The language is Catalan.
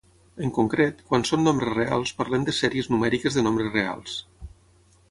En concret, quan són nombres reals parlem de sèries numèriques de nombres reals.